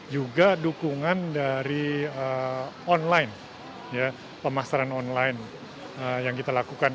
juga dukungan dari online pemasaran online yang kita lakukan